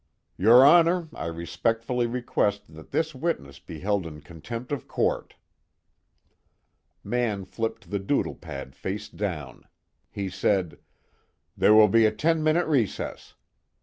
"Your Honor, I respectfully request that this witness be held in contempt of court." Mann flipped the doodle pad face down. He said: "There will be a ten minute recess.